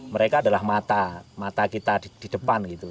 mereka adalah mata mata kita di depan gitu